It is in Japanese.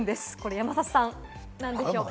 山里さん、なんでしょうか？